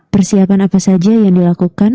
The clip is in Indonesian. persiapan apa saja yang dilakukan